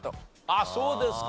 あっそうですか。